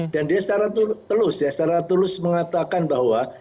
dan dia secara telus ya secara telus mengatakan bahwa